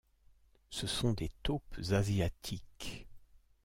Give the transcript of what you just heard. Ce sont des taupes asiatiques.